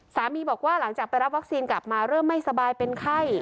สามีบอกว่าหลังจากไปรับวัคซีนกลับมาเริ่มไม่สบายเป็นไข้